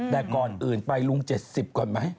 แต่ก่อนอื่นไปลุง๗๐ก่อนไหม